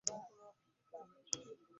Wambwa bagamba aludde n'ebigobero.